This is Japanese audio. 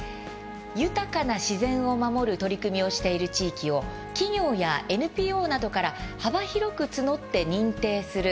豊かな自然を守る取り組みをしている地域を企業やＮＰＯなどから幅広く募って認定する。